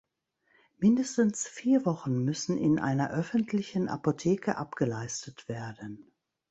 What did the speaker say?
Mindestens vier Wochen müssen in einer öffentlichen Apotheke abgeleistet werden.